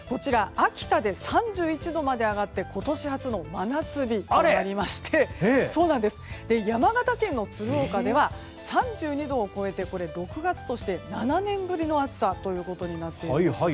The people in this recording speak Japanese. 秋田で３１度まで上がって今年初の真夏日となりまして山形県の鶴岡では３２度を超えて６月として７年ぶりの暑さとなっています。